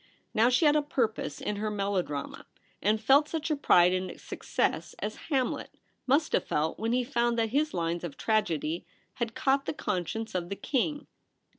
Now she had a purpose in her melo drama, and felt such a pride in its success as Hamlet must have felt when he found that his lines of tragedy had caught the conscience of the king.